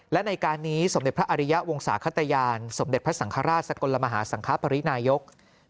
และในการนี้สมเด็จพระอริยะวงศาขตยานสมเด็จพระสังฆราชสกลมหาสังคปรินายก